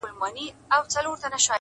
د پریان لوري، د هرات او ګندارا لوري،